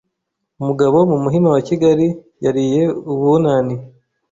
Umugabo mu Muhima wa Kigali, yariye Ubunani